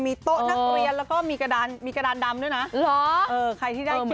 มีโต๊ะนักเรียนแล้วก็มีกระดานดำด้วยนะ